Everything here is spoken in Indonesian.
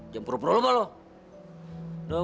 jangan peruh peruh lo bang